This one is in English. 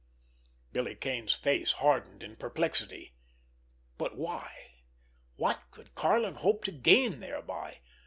Billy Kane's face hardened in perplexity. But why? What could Karlin hope to gain thereby?